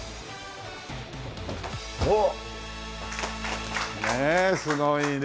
おお！ねえすごいね。